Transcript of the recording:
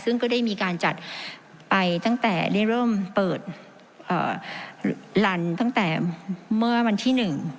ซึ่งก็ได้มีการจัดไปตั้งแต่ได้เริ่มเปิดลันตั้งแต่เมื่อวันที่๑